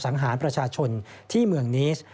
สังหารประชาชนที่เมืองนิส